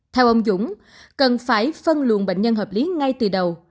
theo ông dũng cần phải phân luồng bệnh nhân hợp lý ngay từ đầu